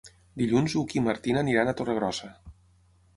Dilluns n'Hug i na Martina aniran a Torregrossa.